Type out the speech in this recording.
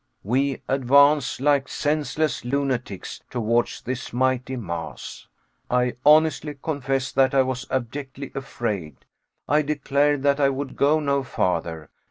We advance, like senseless lunatics, towards this mighty mass. I honestly confess that I was abjectly afraid. I declared that I would go no farther.